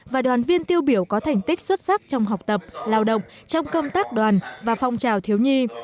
và đoàn viên tiêu biểu có thành tích xuất sắc trong học tập lao động trong công tác đoàn và phong trào thiếu nhi